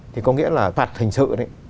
thì có nghĩa là phạt hình sự